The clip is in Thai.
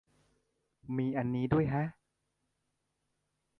มีอันนี้ด้วยแฮะ